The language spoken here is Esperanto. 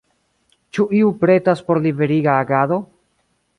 Ĉu iu pretas por liberiga agado?